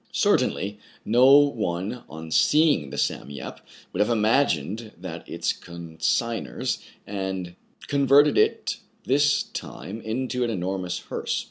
Certainly, no one on seeing the " Sam Yep " would have imagined that its consignors had con verted it this time into an enormous hearse.